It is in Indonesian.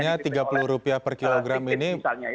harganya rp tiga puluh per kilogram ini